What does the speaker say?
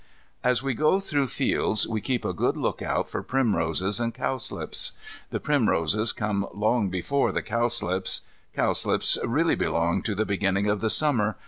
As we go through the fields we keep a good look out for primroses and cowslips. The primroses come long before the cowslips. Cowslips really belong to the beginning of the Summer.